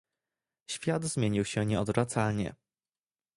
Świat zmienił się nieodwracalnie